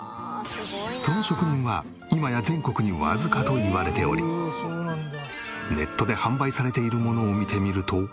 その職人は今や全国にわずかといわれておりネットで販売されているものを見てみると。